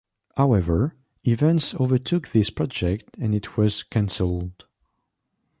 However, events overtook this project and it was canceled.